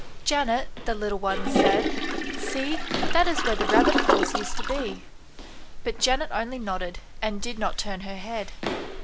" Janet," the little one said, " see, that is where the rabbit holes used to be "; but Janet only nodded, and did not turn her head.